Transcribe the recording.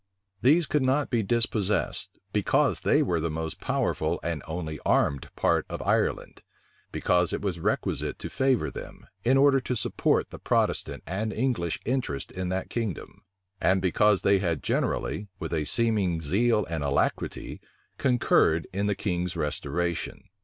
These could not be dispossessed, because they were the most powerful and only armed part of Ireland; because it was requisite to favor them, in order to support the Protestant and English interest in that kingdom; and because they had generally, with a seeming zeal and alacrity, concurred in the king's restoration.